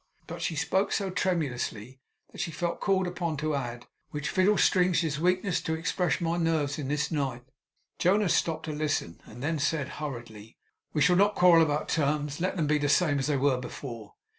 But she spoke so tremulously that she felt called upon to add, 'which fiddle strings is weakness to expredge my nerves this night!' Jonas stopped to listen. Then said, hurriedly: 'We shall not quarrel about terms. Let them be the same as they were before.